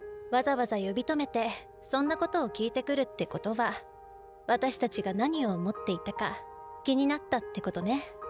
わざわざ呼び止めてそんなことを聞いてくるってことは私たちが何を思っていたか気になったってことね。